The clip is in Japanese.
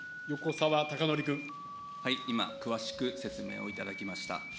今、詳しく説明をいただきました。